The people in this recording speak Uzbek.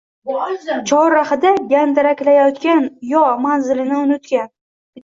Chorrahada gandiraklayotgan yo manzilini unutgan.